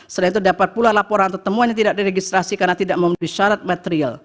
setelah itu dapat pula laporan atau temuan yang tidak diregistrasi karena tidak memenuhi syarat material